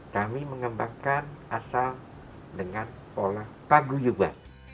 kami mengembangkan asal dengan pola pagu juga